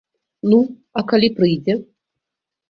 Ну, а калі прыйдзе?